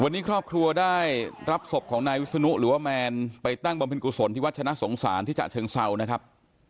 วันนี้ครอบครัวได้รับศพของนายวิศนุหรือว่าแมนไปตั้งบำเพ็ญกุศลที่วัดชนะสงสารที่ฉะเชิงเศร้านะครับ